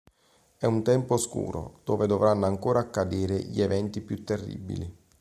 È un tempo oscuro, dove dovranno ancora accadere gli eventi più terribili.